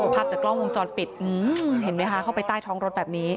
ภาพจากกล้องวงจรปิดเห็นไหมคะเข้าไปใต้ท้องรถแบบนี้